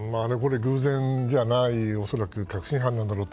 偶然ではない、恐らく確信犯だろうと。